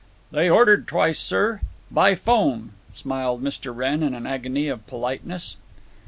"They ordered twice, sir. By 'phone," smiled Mr. Wrenn, in an agony of politeness.